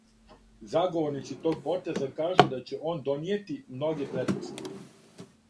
Заговорници тог потеза кажу да ће он донијети многе предности.